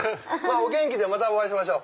お元気でまたお会いしましょう。